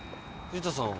藤田さん